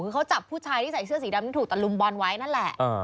คือเขาจับผู้ชายที่ใส่เสื้อสีดำที่ถูกตะลุมบอลไว้นั่นแหละ